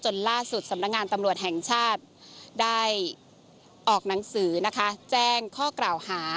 ล่าสุดสำนักงานตำรวจแห่งชาติได้ออกหนังสือนะคะแจ้งข้อกล่าวหา